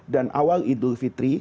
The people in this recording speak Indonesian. dan awal idul fitri